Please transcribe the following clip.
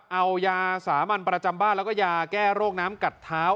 เอายาสามัญประจำบ้านแล้วก็ยาแก้โรคน้ำกัดเท้า